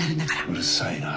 うるさいな。